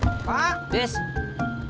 bapak mau kemana